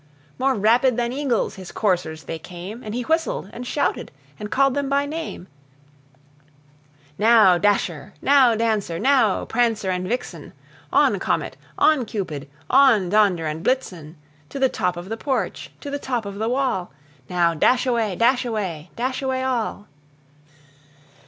More rapid than eagles his coursers they came, And he whistled, and shouted, and called them by name: "Now, Dasher! now, Dancer! now, Prancer and Vixen! On, Comet! on, Cupid! on, Donder and Blitzen! To the top of the porch! to the top of the wall! Now dash away! dash away! dash away all!"